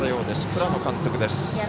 倉野監督です。